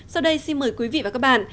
sau đây xin mời quý vị và các bạn